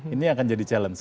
ini akan jadi challenge